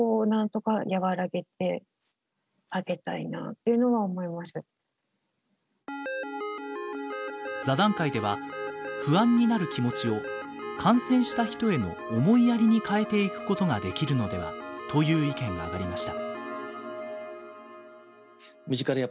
そこはやはり座談会では不安になる気持ちを感染した人への思いやりに変えていくことができるのではという意見があがりました。